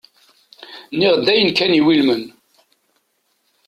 Nuɣ-d ayen kan iwulmen.